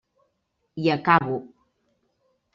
I acabo.